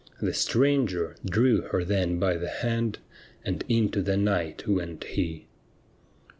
The stranger drew her then by the hand And into the night went he.